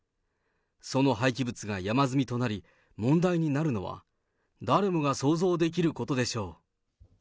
その廃棄物が山積みとなり、問題になるのは誰もが想像できることでしょう。